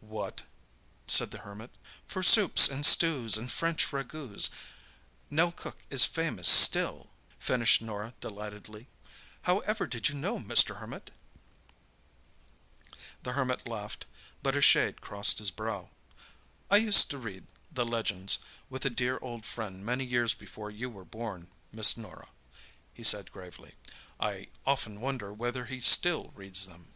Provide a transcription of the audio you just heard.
"What," said the Hermit— "For soups and stews, and French ragouts, Nell Cook is famous still—?" "She'd make them even of old shoes She had such wondrous skill!" finished Norah delightedly. "However did you know, Mr. Hermit?" The Hermit laughed, but a shade crossed his brow. "I used to read the Legends with a dear old friend many years before you were born, Miss Norah," he said gravely. "I often wonder whether he still reads them."